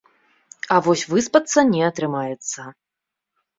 А вось выспацца не атрымаецца.